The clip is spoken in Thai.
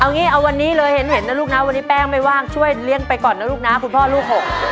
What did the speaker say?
เอางี้เอาวันนี้เลยเห็นนะลูกนะวันนี้แป้งไม่ว่างช่วยเลี้ยงไปก่อนนะลูกนะคุณพ่อลูกหก